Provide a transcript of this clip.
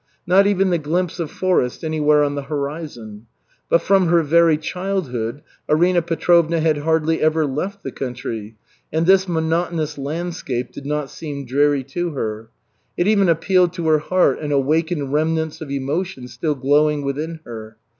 Not even the glimpse of forest anywhere on the horizon. But from her very childhood Arina Petrovna had hardly ever left the country, and this monotonous landscape did not seem dreary to her. It even appealed to her heart and awakened remnants of emotion still glowing within her.